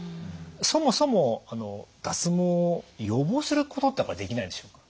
そもそも脱毛を予防することってやっぱりできないんでしょうか？